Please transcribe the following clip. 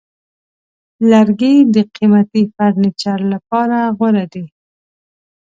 لرګی د قیمتي فرنیچر لپاره غوره دی.